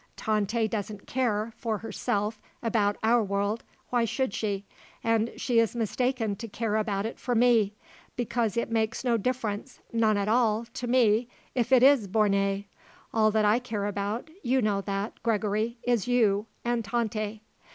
Tante doesn't care, for herself, about our world; why should she? And she is mistaken to care about it for me; because it makes no difference, none at all, to me, if it is borné. All that I care about, you know that, Gregory, is you and Tante."